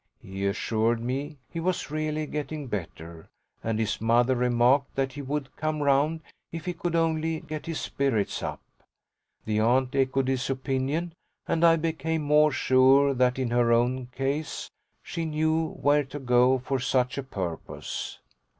He assured me he was really getting better, and his mother remarked that he would come round if he could only get his spirits up. The aunt echoed this opinion, and I became more sure that in her own case she knew where to go for such a purpose.